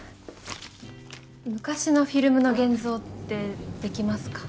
昔のフィルムの現像ってできますか？